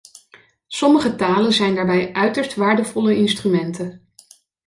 Sommige talen zijn daarbij uiterst waardevolle instrumenten.